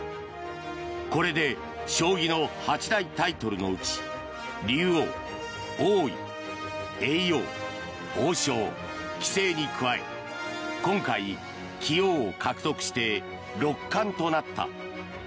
これで将棋の八大タイトルのうち竜王、王位、叡王、王将、棋聖に加え今回、棋王を獲得して六冠となった。